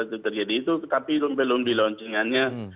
jadi itu tapi belum di launching annya